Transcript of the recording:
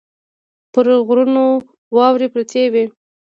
پر غرونو واورې پرتې وې.